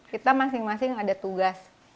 kita masing masing ada tugas